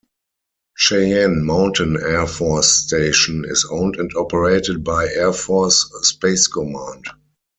Cheyenne Mountain Air Force Station is owned and operated by Air Force Space Command.